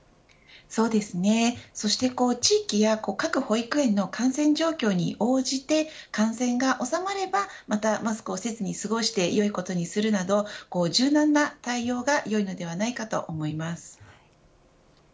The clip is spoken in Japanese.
そうですね、そして地域や各保育園の感染状況に応じて感染が収まればまたマスクをせずに過ごしてよいことにするなど柔軟な対応がよいのではないかと思います。